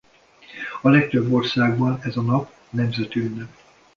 A legtöbb országban ez a nap nemzeti ünnep.